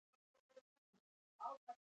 دیني فکر جوړوي او خپروي یې.